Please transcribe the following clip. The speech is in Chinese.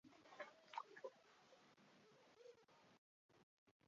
刺巢鼠属等之数种哺乳动物。